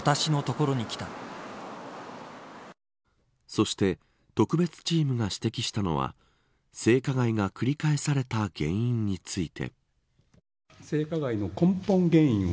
そして特別チームが指摘したのは性加害が繰り返された原因について。